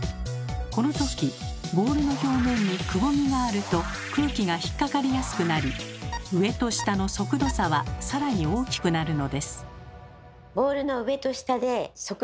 このときボールの表面にくぼみがあると空気が引っ掛かりやすくなり上と下の速度差はさらに大きくなるのです。